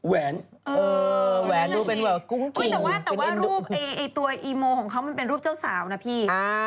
แต่ว่ารูปตัวโปรศัพท์ของเค้าเป็นรูปเจ้าสาวนะพี่